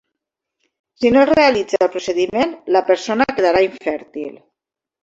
Si no es realitza el procediment, la persona quedarà infèrtil.